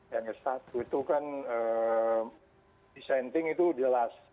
yang s satu itu kan dissenting itu jelas